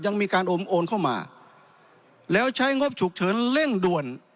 ยังมีการอมโอนเข้ามาแล้วใช้งบฉุกเฉินเร่งด่วน